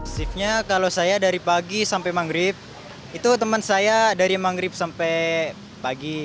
shiftnya kalau saya dari pagi sampai manggrib itu teman saya dari manggrib sampai pagi